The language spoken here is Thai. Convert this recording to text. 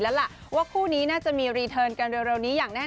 แล้วล่ะว่าคู่นี้น่าจะมีรีเทิร์นกันเร็วนี้อย่างแน่น